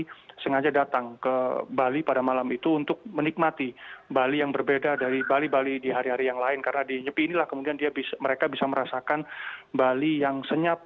dan mereka juga sengaja datang ke bali pada malam itu untuk menikmati bali yang berbeda dari bali bali di hari hari yang lain karena di nyepi inilah kemudian mereka bisa merasakan bali yang senyum